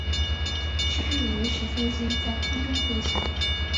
升力维持飞机在空中飞行。